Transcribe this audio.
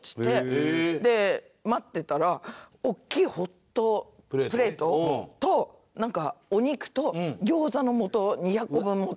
へえー！で待ってたら大きいホットプレートとなんかお肉と餃子のもとを２００個分持ってきて。